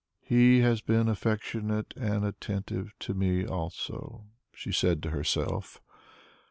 "He has been affectionate and attentive to me also," she said to herself.